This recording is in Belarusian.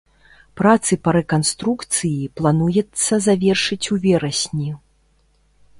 Працы па рэканструкцыі плануецца завершыць у верасні.